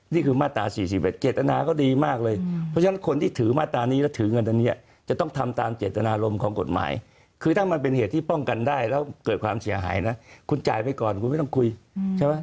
นี่คือมาตรา๔๑เจตนาก็ดีมากเลยเพราะฉะนั้นคนที่ถือมาตรานี้แล้วถือเงินตอนนี้จะต้องทำตามเจตนารมณ์ของกฎหมายคือถ้ามันเป็นเหตุที่ป้องกันได้แล้วเกิดความเสียหายนะคุณจ่ายไปก่อนคุณไม่ต้องคุยใช่ไหม